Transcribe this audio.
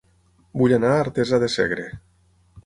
Vull anar a Artesa de Segre